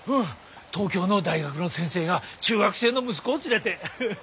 東京の大学の先生が中学生の息子を連れて。